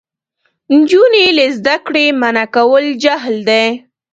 نجونې له زده کړې منع کول جهل دی.